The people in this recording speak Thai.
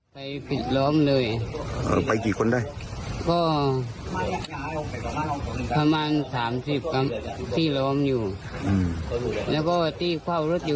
ไปผิดล้อมเลยไปกี่คนได้ก็ประมาณ๓๐ที่ล้อมอยู่